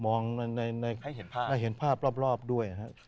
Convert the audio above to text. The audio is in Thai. มองให้เห็นภาพรอบด้วยครับ